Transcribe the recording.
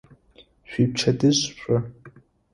Шъуипчэдыжь шӏу!